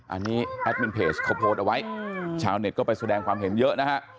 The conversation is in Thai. อันนี้แอดมินเพจเขาโพสต์เอาไว้ชาวเน็ตก็ไปแสดงความเห็นเยอะนะฮะ